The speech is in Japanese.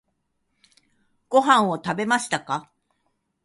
ご飯を食べましたか？